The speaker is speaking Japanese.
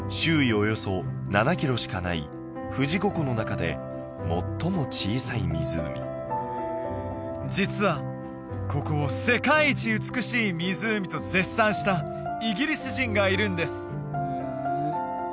およそ７キロしかない富士五湖の中で最も小さい湖実はここを世界一美しい湖と絶賛したイギリス人がいるんです